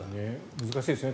難しいですね。